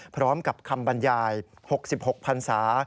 พร้อมกับคำบรรยาย๖๖พันศา